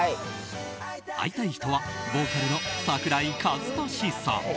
会いたい人はボーカルの桜井和寿さん。